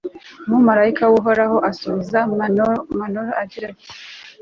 umumalayika w'uhoraho asubiza manowa agira ati